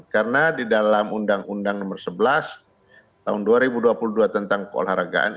karena di dalam undang undang nomor sebelas tahun dua ribu dua puluh dua tentang keolahragaan